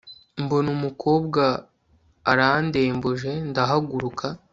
mbona umukobwa arandembuje ndahaguruka